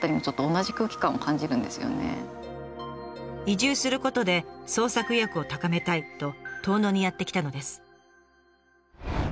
移住することで創作意欲を高めたいと遠野にやって来たのです。